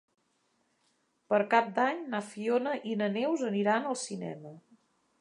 Per Cap d'Any na Fiona i na Neus aniran al cinema.